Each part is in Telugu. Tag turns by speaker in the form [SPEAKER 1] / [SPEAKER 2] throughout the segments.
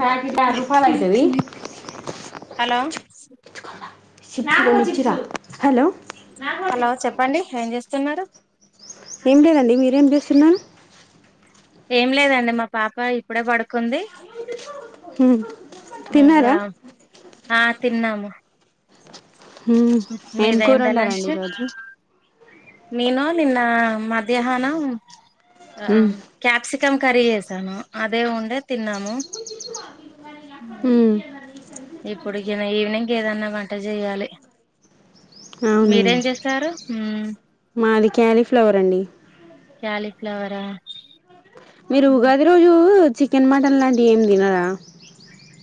[SPEAKER 1] ప్యాకెట్ ఆర్రూపాయ లైతది
[SPEAKER 2] హలో
[SPEAKER 1] హలో
[SPEAKER 2] హలో చెప్పండి ఏం చేస్తున్నారు
[SPEAKER 1] ఏం లేదండి మీరేం చేస్తున్నారు
[SPEAKER 2] ఏం లేదండి మా పాప ఇప్పుడే పడుక్ కుంది
[SPEAKER 1] హ్మ్
[SPEAKER 2] ఇంగ
[SPEAKER 1] తిన్నారా
[SPEAKER 2] ఆ తిన్నాము
[SPEAKER 1] ఉమ్ ఏం
[SPEAKER 2] మీదయిందా
[SPEAKER 1] కూరోండారండి
[SPEAKER 2] లంచ్
[SPEAKER 1] ఈ రోజు
[SPEAKER 2] నేను నిన్న మధ్యాహ్నం ఆ
[SPEAKER 1] హ్మ్
[SPEAKER 2] క్యాప్సి కం కర్రీ చేసాను అదే ఉండే తిన్నాము
[SPEAKER 1] ఉమ్
[SPEAKER 2] ఇప్పుడు కిన ఈవినింగ్ ఏదన్నా వంట చెయ్యాలి
[SPEAKER 1] అవునా
[SPEAKER 2] మీరేం చేసారు
[SPEAKER 1] మాది క్యాలీఫ్లవర్ అండి
[SPEAKER 2] క్యాలిఫ్లవరా
[SPEAKER 1] మీరు ఉగాది రోజు చికెన్ మటన్ లాంటివి ఏమి తినరా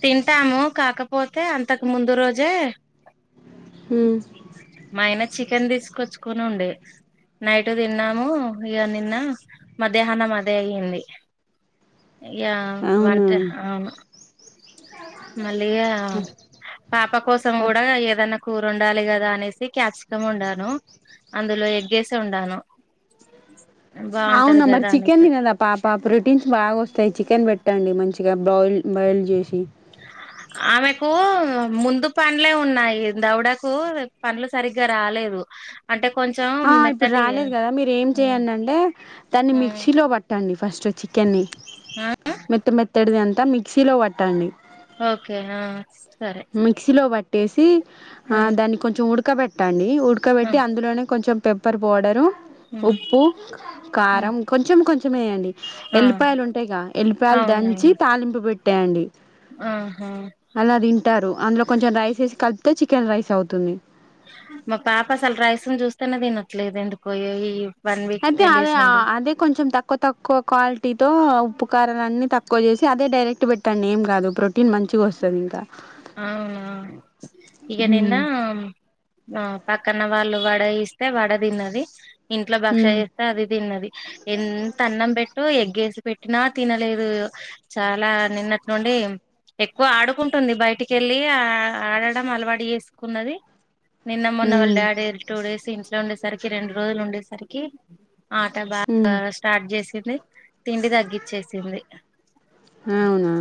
[SPEAKER 2] తింటాము కాకపోతే అంతకు ముందు రోజే
[SPEAKER 1] హు
[SPEAKER 2] మా ఆయన చికెన్ తీసుకొచ్చుకొని ఉండే నైట్ తిన్నాము ఇగ నిన్న మధ్యాహ్నం అదే అయ్యింది ఇయా
[SPEAKER 1] అవునా
[SPEAKER 2] వంట అవును మళ్ళిగా పాప కోసం కూడా ఏదన్నా కూర వండాలి కదా అనేసి క్యాప్సికం వండాను అందులో ఎగ్గేసి వండాను బాగుంటది
[SPEAKER 1] అవునా మరి
[SPEAKER 2] కదా
[SPEAKER 1] చికెన్
[SPEAKER 2] అనేసి
[SPEAKER 1] తినదా పాప ప్రొటీన్స్ బాగా వస్తాయి చికెన్ పెట్టండి మంచి ఇగా బావ్ల్ బాయిల్ చేసి
[SPEAKER 2] ఆమెకు ముందు పండ్లే ఉన్నాయి, దౌడకు పండ్లు సరిగ్గా రాలేదు అంటే కొంచెం
[SPEAKER 1] ఆ ఇప్పుడు
[SPEAKER 2] మెత్తటి
[SPEAKER 1] రాలేదు కదా మీరు ఏం చెయ్యండంటే దాన్ని మిక్సీ లో పట్టండి ఫస్ట్ చికెన్ని మెత్త మెత్తడిది అంతా మిక్సీలో పట్టండి
[SPEAKER 2] ఓకే ఆ సరే
[SPEAKER 1] మిక్సీలో పట్టేసి ఆ దాన్ని కొంచెం ఉడకబెట్టండి ఉడకబెట్టి అందులోనే కొంచెం పెప్పర్ పౌడరు ఉప్పు కారం కొంచెం కొంచెమేయ్యండి,
[SPEAKER 2] ఆ
[SPEAKER 1] ఎల్లిపాయలు ఉంటాయ్గా ఎల్లిపాయల్ దంచి
[SPEAKER 2] అవునవును
[SPEAKER 1] తాలింపు పెట్టెయ్యండి
[SPEAKER 2] ఆహా
[SPEAKER 1] రు అందులో కొంచెం రైస్ వేసి కలిపితే చికెన్ రైస్ అవుతుంది
[SPEAKER 2] మా పాప అసలు రైసుని చూస్తేనే తినట్లేదు ఎందుకో ఈ ఈ వన్ వీక్
[SPEAKER 1] అయితే
[SPEAKER 2] టెన్
[SPEAKER 1] అదే
[SPEAKER 2] డేస్ నుండి
[SPEAKER 1] అదే కొంచెం తక్కువ తక్కువ క్వాలిటీతో ఉప్పు కారాలన్ని తక్కువ చేసి అదే డైరెక్ట్ పెట్టండి ఏం కాదు ప్రోటీన్ మంచిగా వస్
[SPEAKER 2] అవునా ఇగ నిన్న
[SPEAKER 1] హ్మ్
[SPEAKER 2] ఆ పక్కన వాళ్ళు వడ ఇస్తే వడ తిన్నది ఇంట్లో బక్ష
[SPEAKER 1] హ్మ్
[SPEAKER 2] చేస్తే అది తిన్నది ఎంత అన్నం పెట్టి ఎగ్గేసి పెట్టినా తినలేదు చాలా నిన్నటి నుండి ఎక్కువ ఆడుకుంటు బయటికి వెళ్ళి ఆ ఆడడం అలవాటు చేసుకున్నది నిన్న మొన్న వాళ్ళ
[SPEAKER 1] హ్మ్
[SPEAKER 2] డాడీ టూ డేస్ ఇంట్లో ఉండేసరికి రెండు రోజులు ఉండేసరికి ఆట బాగా
[SPEAKER 1] హ్మ్
[SPEAKER 2] స్టార్ట్ చేసింది తిండి తగ్గచ్చేసింది
[SPEAKER 1] అవునా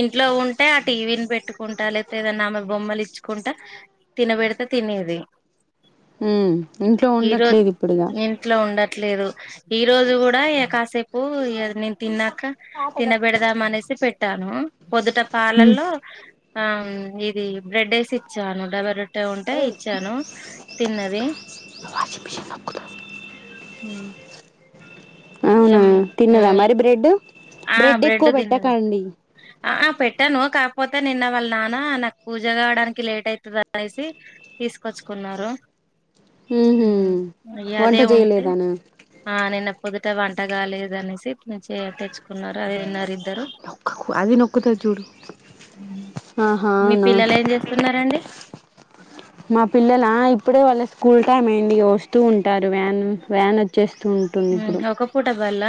[SPEAKER 2] ఇంట్లో ఉంటే ఆ టీవీని పెట్టుకు కుంటా లేతే ఏమన్నా ఆమెకు బొమ్మలు ఇచ్చుకుంటా తినబెడితే తినేది
[SPEAKER 1] ఉ ఇంట్లో ఉండట్లేదు ఇప్పుడిగా
[SPEAKER 2] లేదు ఈ రోజు గుడా కాసేపు ఇగ నేన్ తిన్నాక తిన పెడదామనేసి పెట్టాను పొద్దుట
[SPEAKER 1] హ్మ్
[SPEAKER 2] పాలల్లో ఆ ఇది బ్రెడ్ ఐస్ ఇచ్చాను డబర్ ఉంటే ఇచ్చాను తిన్నది
[SPEAKER 1] మిషన్ నొక్కుదాం అవునా
[SPEAKER 2] ఉ
[SPEAKER 1] తిన్నదా మరి బ్రెడ్
[SPEAKER 2] ఆ
[SPEAKER 1] బ్రెడ్ ఎక్కువ
[SPEAKER 2] బ్రెడు తిన్నది
[SPEAKER 1] పెట్టకండి
[SPEAKER 2] ఆ పెట్ టాను కాకపోతే నిన్న వాళ్ళ నాన్న నాకు పూజ కావడానికి లేట్ అయితది అనేసి తీసుకొచ్చుకున్నా ఉన్నారు
[SPEAKER 1] ఉహు వంట
[SPEAKER 2] అదే ఉంటే
[SPEAKER 1] చేయలేదానా
[SPEAKER 2] ఆ నిన్న పొదుట వంటగాలేదు అనేసి తే తెచ్చుకున్నారు అ
[SPEAKER 1] నొక్కకు అది నొక్కుతది చూడు ఆహా
[SPEAKER 2] మీ
[SPEAKER 1] అవునా
[SPEAKER 2] పిల్లలు ఏం చేస్తున్నారండి
[SPEAKER 1] మా పిల్లల ఇప్పుడే వాళ్ళ స్కూల్ టైమ్ అయ్యింది ఇగ వస్తూ ఉంటారు వ్యాన్ వ్యాన్ వచ్చే
[SPEAKER 2] హు ఒక్కపూట బల్ల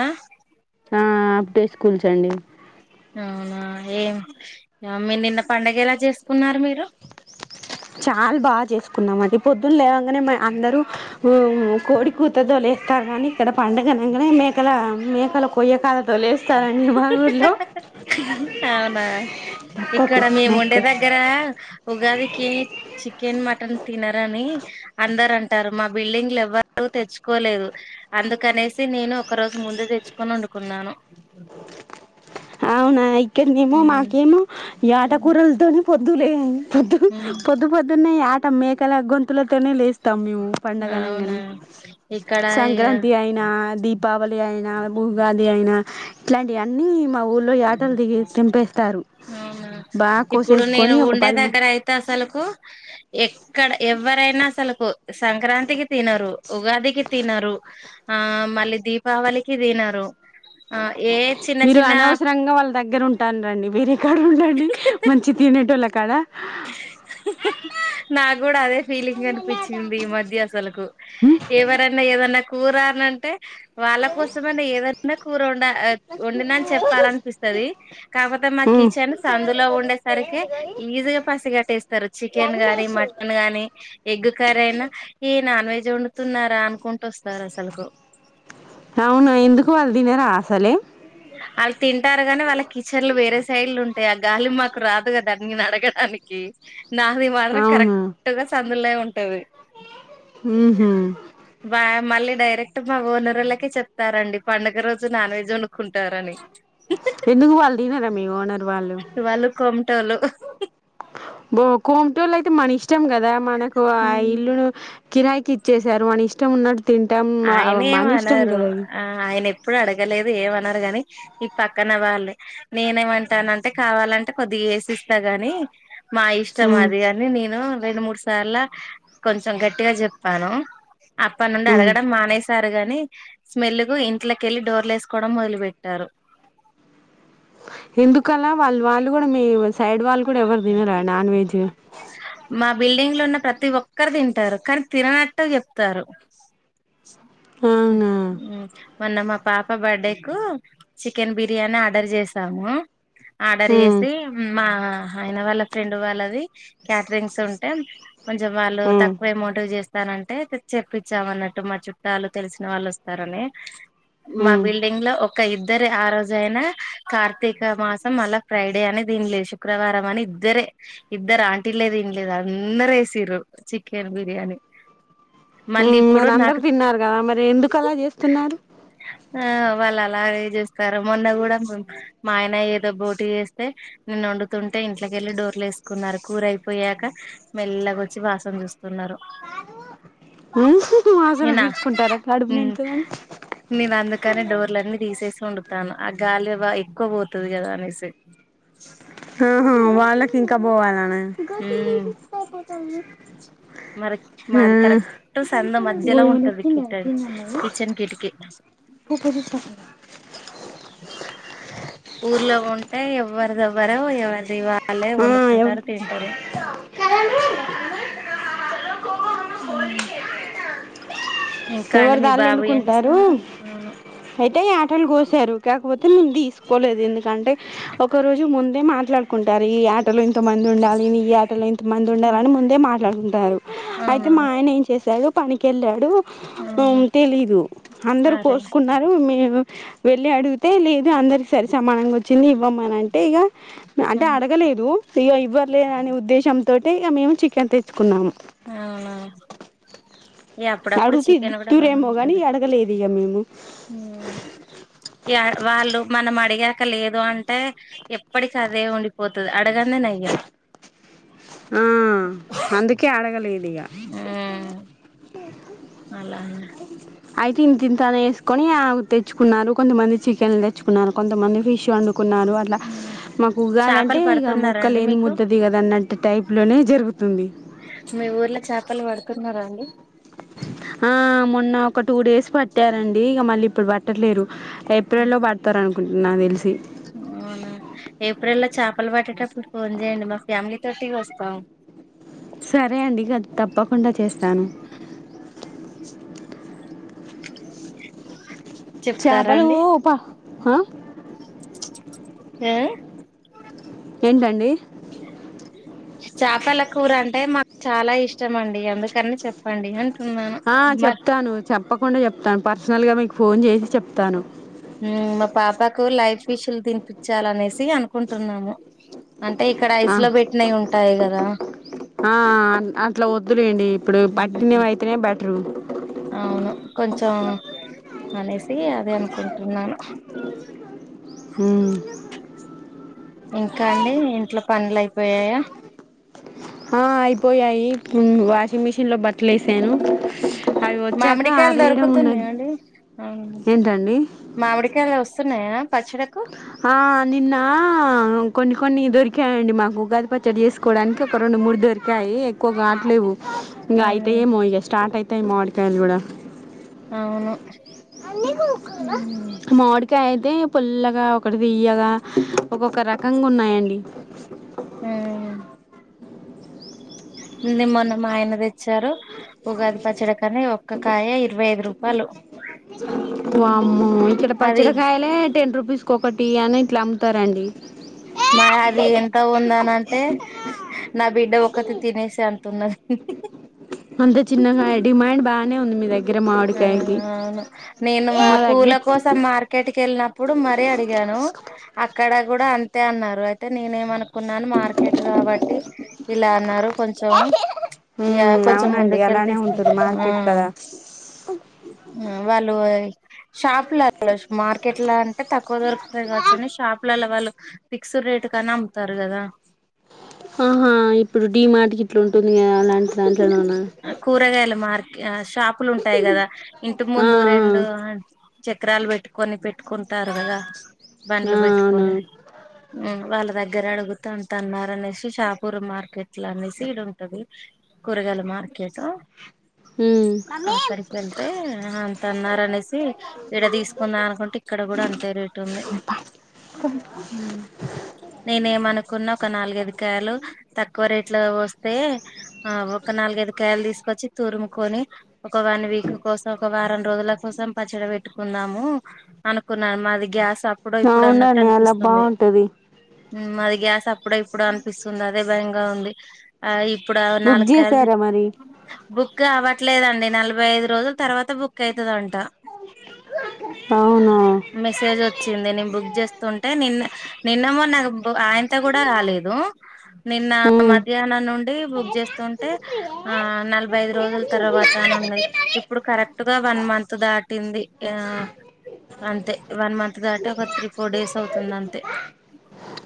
[SPEAKER 1] ఆ హాఫ్ డే స్కూల్స్ అండి
[SPEAKER 2] అవునా ఏం మీ నిన్న పండుగ ఎలా చేసుకున్నారు మీరు
[SPEAKER 1] చాలా బాగా చేసుకున్నాం అండి పొద్దున్న లేవంగానే అందరూ కోడి కూతతో లేస్తారు కానీ ఇక్కడ పండుగనంగానే మేకల మేకల కొయ్యక
[SPEAKER 2] అవునా ఇక్కడ
[SPEAKER 1] నొక్కకు
[SPEAKER 2] మేముండే
[SPEAKER 1] నొక్కు
[SPEAKER 2] దగ్గర ఉగాదికి చికెన్, మటన్ తినరని అందరు అంటారు మా బిల్డింగ్ లో ఎవ్వరు తెచ్చుకోలేదు అందుకనేసి నేను ఒక రోజు ముందు తెచ్చుకొని వండుకున్నాను
[SPEAKER 1] అవునా ఇక్కడనేమో
[SPEAKER 2] ఉమ్
[SPEAKER 1] మాకేమో యాట
[SPEAKER 2] ఉమ్
[SPEAKER 1] కూరలతోని పొద్దులే పొద్దు
[SPEAKER 2] ఉమ్
[SPEAKER 1] పొద్దు పొద్దున్నే యాట మేకల గొంతులతోనే లే తమ్ము
[SPEAKER 2] అవునా
[SPEAKER 1] పండుగనంగానే
[SPEAKER 2] ఇక్కడ ఇగ
[SPEAKER 1] సంక్రాంతి అయినా, దీపావళి అయినా, ఉగాది అయినా ఇట్లాంటివన్నీ మా ఊళ్లో యాటలు దిగి తెంపేస్తారు
[SPEAKER 2] అవునా
[SPEAKER 1] బాగా
[SPEAKER 2] ఇప్పుడు నేను
[SPEAKER 1] కోసేసుకొని ఒక
[SPEAKER 2] ఉండే
[SPEAKER 1] పది మంది
[SPEAKER 2] దగ్గర అయితే అసలుకు ఎక్కడ ఎ ఎవ్వరైనా అసలుకు సంక్రాంతికి తినరు ఉగాదికి తినరు ఆ మళ్ళీ దీపావళికి తినరు ఆ ఏ చిన్న చిన్న
[SPEAKER 1] రంగా వాళ్ళ దగ్గర కంటారండి వేరేక్కడ ఉండండి మంచి తినేటోళ్ల కాడ ఏ
[SPEAKER 2] నా గుడా అదే ఫీలింగ్ అనిపించింది ఈ మధ్య అసలుకు ఎవరైనా ఏదన్నా కూర అని అంటే వాళ్ళ కోసమన్న ఏదన్న కూర ఉండ వండినని చెప్పాలనిపిస్తది కాకపోతే మా కిచెన్ సందులో ఉండేసరికి ఈజీగా పసిగాట్టేస్తారు చికెన్ గాని మటన్ గాని ఎగ్ కర్రీ అయినా ఈ నాన్ వెజ్ వండుతున్నారా అనుకుంటూ వస్తారు అసలుకు
[SPEAKER 1] దినరా అసలే
[SPEAKER 2] వాళ్ళు తింటారు గానీ వాళ్ళ కిచెన్లు వేరే సైడ్లు ఉంటాయి ఆ గాలి మాకు రాదు కదా నేను అడగడానికి కి నాది మాత్రం
[SPEAKER 1] అవునా
[SPEAKER 2] కరెక్ట్ గా సందులే ఉంటది.
[SPEAKER 1] మ్ హు
[SPEAKER 2] బా మళ్ళీ డైరెక్ట్ మా ఓనరోళ్లకే చెప్తారండి. పండుగ రోజు నాన్ వెజ్ వండుకుంటారని.
[SPEAKER 1] ఎందుకు వాళ్ళు దినరా మీ ఓనరు వాళ్ళు?
[SPEAKER 2] టోల్లు
[SPEAKER 1] ఓ కొంటోళ్ళు అయితే మనిష్టం కదా! మనకు ఆ ఇల్లును, కిరాయికి ఇచ్చేశారు. మనిష్టం ఉన్నట్
[SPEAKER 2] ఆయనేం అనరు. ఆ ఆయన ఎప్పుడు అడగలేదు ఏమనలేదు గాని, ఈ పక్కన వాళ్ళే. నేనేమంటానంటే, కావాలంటే కొద్దిగా ఏసిస్తా గాని, మా ఇష్టం అది అని, నేను రెండు మూడు సా ర్ల కొంచం గట్టిగా చెప్పాను. అప్పడ్ నుండి అడగ
[SPEAKER 1] హ్మ్
[SPEAKER 2] సారు గాని, స్మెల్ కు ఇంట్లోకెల్లి డోర్లు వేసుకోవడం మొదలు పెట్టారు.
[SPEAKER 1] ఎందుకలా? వాళ్ళు, వాళ్ళు కూడా మీ సైడ్ వాళ్ళు కూడ ఎవరు తినరా నాన్ వెజ్?
[SPEAKER 2] మా బిల్డింగ్ లో ఉన్న ప్రతి ఒక్కరు తింటారు. కానీ తిననట్టే చెప్తారు.
[SPEAKER 1] అవునా
[SPEAKER 2] మ్ హు మన్న మా పాప బర్డే కు చికెన్ బిర్యానీ ఆర్డర్ చేసాము. ఆర్డర్
[SPEAKER 1] హ్మ్
[SPEAKER 2] చేసి, మా ఆయిన వాళ్ళ ఫ్రెండ్ వాళ్ళది క్యాటరింగ్స్ ఉంటే, కొంచెం వాళ్ళు
[SPEAKER 1] హ్మ్
[SPEAKER 2] తక్కువ అమౌంట్ చేస్ స్తానంటే, చెప్పిచ్చామన్నట్టు మా చుట్టాలు తెలిసిన వాళ్ళు వస్తారని. మా
[SPEAKER 1] హ్మ్
[SPEAKER 2] బిల్డింగ్ లో ఒ క ఇద్దరు ఆ రోజు అయినా, కార్తీక మాసం, మళ్ళ ఫ్రైడె అని తిన్లేదు. శుక్రవారం అని ఇద్దరే, ఇద్దరు ఆంటిలే తినలేదు. అందరు ఏసిర్రు చికెన్ బిర్యాని.
[SPEAKER 1] మ్ మరందరు తిన్నారు కదా! మరి ఎందుకలా చేస్తున్నారు?
[SPEAKER 2] ఆ వాళ్ళు అలాగే చేస్తారు. మొన్న కూడ మ, మా ఆయన ఏదో బోటీ చేస్తే, నెన్ వండుతుంటే, ఇంట్లకెళ్ళి డోర్లు వేసుకున్నారు. కూరయిపోయాక మెల్లగొచ్చి వాసన చూస్ తున్నారు.
[SPEAKER 1] మ్ వాసన బీర్చుకుంటారా?
[SPEAKER 2] మ్ నేన్ అందుకనే, డోర్లన్నీ తీసేసి వండుతాను. ఆ గాలి బా ఎక్కువ పోతది కదా అనేసి.
[SPEAKER 1] ఆహా వాళ్ళకింకా పోవాలన?
[SPEAKER 2] ఉమ్ మరి మాది కరెక్ట్ సంద మధ్యలో ఉంటది. Kitten kitchen కిటకీ.
[SPEAKER 1] కిచెన్ కి
[SPEAKER 2] ఊర్లో ఉంటే, ఎవ్వరిది ఎవ్వరో, ఎవరిది వా ల్లె
[SPEAKER 1] ఆ ఎవ
[SPEAKER 2] వండుకుంటారు. తింటరు. మ్ ఇంకా అండి?
[SPEAKER 1] ఎవరు
[SPEAKER 2] మీ
[SPEAKER 1] దాళ్ళు
[SPEAKER 2] బాబు ఏం
[SPEAKER 1] వండుకుంటారు
[SPEAKER 2] చేస్తన్నారు?
[SPEAKER 1] పొట్టేల్ కోసారు. కాకపోతే, మేము తీసుకోలేదు. ఎందుకంటే, ఒక రోజు ముందే మాట్లాడుకుంటారు ఈ య టలో ఇంతమంది ఉండాలి. ఈ యాటలో ఇంతమంది ఉండాలని, ముందే మాట్లాడుకుంటారు. అయితే,
[SPEAKER 2] అవునా
[SPEAKER 1] మా ఆయన ఏం చేశారు! పనికెళ్ళాడు.
[SPEAKER 2] ఆహా
[SPEAKER 1] మ్ తెలీదు. అందరు
[SPEAKER 2] అరే
[SPEAKER 1] కోసుకున్నారు, మే వెళ్లి అడుగ్ తే లేదు. అందరికి సరి సమానంగా వచ్చింది ఇవ్వమని అంటే, ఇక అంటే
[SPEAKER 2] ఉమ్
[SPEAKER 1] అడగలేదు ఇగ ఇవ్వ అక్కర్లేదనే ఉద్దేశంతోటె ఇగ మేము చికెన్ తెచ్చుకున్నాము.
[SPEAKER 2] అవునా ఇగ అప్పుడప్పుడు
[SPEAKER 1] అడుగుతె ఇద్
[SPEAKER 2] చికెన్
[SPEAKER 1] స్తురేమో కాని, ఇగ అడగలేదు ఇగ మేము.
[SPEAKER 2] మ్ ఇగ వాళ్ళు మనం అడిగాక లేదు అంటే, ఎప్పటికి అదే ఉండిపోతది. అడగందే నయ్యం.
[SPEAKER 1] అందుకే అడగలేదు ఇక
[SPEAKER 2] మ్ అలా అయినా
[SPEAKER 1] ఐతే తిని తానే వేసుకొని తెచ్చుకున్నారు కొంతమంది చికెన్ తెచ్చుకున్నారు కొంతమంది ఫిష్ వండుకున్నారు అట్లా
[SPEAKER 2] ఉమ్
[SPEAKER 1] మాకు
[SPEAKER 2] చేపలు
[SPEAKER 1] ఉగాదంటే ఇక
[SPEAKER 2] పడుతున్నారా
[SPEAKER 1] మోక్క
[SPEAKER 2] అండి
[SPEAKER 1] లేనిదే
[SPEAKER 2] మీకు
[SPEAKER 1] ముద్ద దిగదు అన్నట్టు ది టైప్ లోనే
[SPEAKER 2] మీ ఊర్లో చేపలు పడుతున్నారా అండి
[SPEAKER 1] ఆ మొన్న ఒక టూ డేస్ పట్టారండి ఇక మళ్ళీ ఇప్పుడు పట్టట్లేరు ఏప్రిల్లో పడతారనుకుంటున్నాను నాకు తెలిసి
[SPEAKER 2] ఉహు ఏప్రిల్ లో చేపలు పట్టేటప్పుడు ఫోన్ చేయండి మా ఫ్యామిలీ తోటి వస్తాం
[SPEAKER 1] సరే అండి ఇక తప్పకుండా చేస్తాను
[SPEAKER 2] చెప్తారా
[SPEAKER 1] చేపలు ఉ
[SPEAKER 2] అండి
[SPEAKER 1] హా
[SPEAKER 2] ఆ
[SPEAKER 1] ఏంటండి
[SPEAKER 2] చేపల కూర అంటే మాకు చాలా ఇష్టమండి అందుకని చెప్పండి అం
[SPEAKER 1] ఆ చెప్తాను చెప్పకుండా చెప్తాను పర్సనల్ గా మీకు ఫోన్ చేసి చెప్తాను
[SPEAKER 2] మా పాపకు లైవ్ ఫిషులు తినిపించాలనేసి అనుకుంటున్నాము అంటే ఇక్కడ ఐస్ లో పెట్టినవి ఉంటాయి కదా
[SPEAKER 1] ఆ అట్లా వద్దులేండి ఇప్పుడు పట్టినవైతేనే బె
[SPEAKER 2] అవును కొంచెం అనేసి అదే అనుకుంటున్నాను
[SPEAKER 1] ఉ
[SPEAKER 2] ఇంకా అండి ఇంట్లో పనులు అయిపోయయా
[SPEAKER 1] ఆ అయిపోయాయి వాషింగ్ మిషిన్ లో బట్టలేసాను
[SPEAKER 2] మామిడికాయలు
[SPEAKER 1] ఉన్నది
[SPEAKER 2] దొరుకుతున్నాయండి అవును
[SPEAKER 1] ఏంటండి
[SPEAKER 2] మామిడికాయలు వస్తున్నాయా పచ్చడకు
[SPEAKER 1] ఆ నిన్న కొన్ని కొన్ని దొరికాయండి మాకు ఉగాది పచ్చడి చేసుకోవడానికి ఒక రెండు మూడు దొరికాయి ఎక్కువ కావట్లేవు ఇంకా అయిత
[SPEAKER 2] అవును
[SPEAKER 1] ఏమో ఇగ స్టార్ట్ అయితయి మామిడికాయలు కూడా
[SPEAKER 2] అవును. ఉమ్
[SPEAKER 1] మామిడికాయ అయితే పుల్లగా ఒకటి తీయ్యగా ఒక్కొక్క రకంగా ఉన్నాయండి
[SPEAKER 2] ఉమ్ నిన్న మొన్న మా ఆయన తెచ్చారు ఉగాది పచ్చడి కని ఒక్క కాయ ఇరవై ఐదు రూపాయలు
[SPEAKER 1] వామ్మో ఇక్కడ
[SPEAKER 2] అది
[SPEAKER 1] పచ్చడి కాయలే టెన్ రూపీస్ కోకటి టీ అని ఇట్లా అమ్ముతారండి
[SPEAKER 2] మా అది ఎంత ఉంది అని అంటే నా బిడ్డ ఒక ఒకటి తినేసి అంటున్నది
[SPEAKER 1] అంతే చిన్నగా డిమాండ్ బాగానే ఉంది మీ దగ్గ
[SPEAKER 2] ఆ అవును నేను మా పూల కోసం మార్కెట్ కెళ్ళినప్పుడు మరీ అడిగాను అక్కడ కూడా అంతే అన్నారు అయితే నేనే ఏమనుకున్నాను మార్ కేట్ కాబట్టి ఇలా అన్నారు కొంచెం ఇక
[SPEAKER 1] ఉమ్
[SPEAKER 2] కొంచెం
[SPEAKER 1] అవునండి
[SPEAKER 2] ముందుకెళ్తే
[SPEAKER 1] అలానే
[SPEAKER 2] ఇస్త
[SPEAKER 1] ఉంటది
[SPEAKER 2] ఆ
[SPEAKER 1] మార్కెట్ కదా
[SPEAKER 2] వాళ్ళు షాప్ల మార్కెట్ల అంటే తక్కువ దొరకు కావచ్చని షాప్లలో వాళ్ళు ఫిక్స్డ్ రేటు కని అమ్ముతారు కదా
[SPEAKER 1] ఆహా ఇప్పుడు డి మార్ట్కి ఇట్లా ఉంటుంది కదా అలాంటిదాంట్లోనే ఉన్నాను
[SPEAKER 2] ఆ షాపులు ఉంటాయి కదా ఇంటి
[SPEAKER 1] ఆ
[SPEAKER 2] ముందు రెండు చక్రాలు పెట్టుకొని పెట్టుకుంటారు కదా బండ్లు
[SPEAKER 1] ఆ అవును
[SPEAKER 2] పెట్టుకొని ఉ వాళ్ళ దగ్గర దగ్గర అడుగుతుంటారని అనేసి షాపూర్ మార్కెట్లు అనేసి ఇడ ఉంటది కూరగాయల మార్కెట్ కేతా
[SPEAKER 1] ఉమ్
[SPEAKER 2] అక్కడికి వెళ్తే అంత అన్నారు అనేసి ఇడ తీసుకుందాం అనుకుంటే ఇక్కడ కూడా అంతే రేట్ ఉంది
[SPEAKER 1] ఇ ప
[SPEAKER 2] నేనే ఏమనుకున్న ఒక నాలుగైదు కాయలు తక్కువ రేట్ లో వస్తే ఆ ఒక నాలుగైదు కేయారలు తీసుకొచ్చి తురుముకొని ఒక వన్ వీక్ కోసం ఒక వారం రోజుల కోసం పచ్చడి పెట్టుకుందాము అనుకున్నారు మాది గ్యాస్ అప్పుడో ఇప్పుడు అన్నట్టు
[SPEAKER 1] అవునండీ అలా
[SPEAKER 2] అనిపిస్తుంది
[SPEAKER 1] బాగుంటది
[SPEAKER 2] మాది గ్యాస్ అప్పుడ ఇప్పుడు అనిపిస్తుంది అదే భయంగా ఉంది ఆ ఇప్పుడు
[SPEAKER 1] బుక్
[SPEAKER 2] నాలుకాయలతే
[SPEAKER 1] చేసారా మరి
[SPEAKER 2] బుక్ కావట్లేదండి నలభై ఐదు రోజుల తర్వాత బుక్ అయితదంట
[SPEAKER 1] అవునా
[SPEAKER 2] మెసేజ్ ఒచ్చింది నేను బుక్ చేస్త స్తుంటే నిన్న నిన్నమో నాగు ఆయంత కూడా గాలేదు నిన్న
[SPEAKER 1] ఉమ్
[SPEAKER 2] మధ్యాహ్నం నుండి బుక్ చేస్తుంటే ఆ నలభై ఐదు రోజుల తర్వాత అని ఉన్నది ఇప్పుడు కరెక్ట్ గా వన్ మంత్ దాటింది ఆ అంతే వన్ మంత్ దాటి ఒక త్రీ ఫోర్ డేస్ అవుతుంది అంతే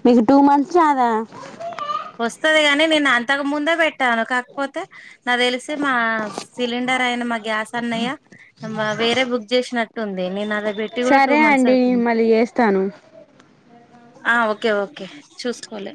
[SPEAKER 1] మీకు టూ మంత్స్ రాదా
[SPEAKER 2] వస్తుది గాని నేను అంతకు ముందే వెట్టాను కాకపోతే నా తెలిసి మా సిలిండర్ అయిన మా గ్యాస్ అన్నయ్య వేరే బుక్ చేసినట్టుంది. అడ బెట్టి గూడా టూ
[SPEAKER 1] సరే
[SPEAKER 2] మంత్స్
[SPEAKER 1] అండి నేను
[SPEAKER 2] అయితుంది
[SPEAKER 1] మళ్ళీ చేస్తాను
[SPEAKER 2] ఆ ఓకే ఓకే చూసుకోలే